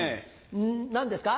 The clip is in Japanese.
何ですか？